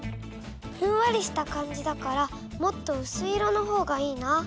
ふんわりした感じだからもっとうすい色のほうがいいな。